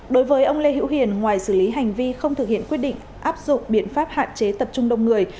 đối với ông lê hữu hiền ngoài xử lý hành vi không thực hiện quyết định áp dụng biện pháp hạn chế tập trung đông người